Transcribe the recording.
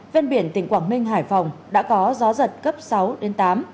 ven biển tỉnh quảng ninh hải phòng đã có gió giật cấp sáu đến tám